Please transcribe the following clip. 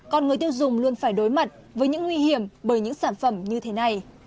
còn người tiêu dùng luôn phải đối mặt với những nguy hiểm bởi những sản phẩm như thế này